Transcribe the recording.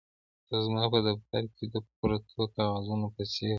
دا زما په دفتر کې د پرتو کاغذونو په څیر دي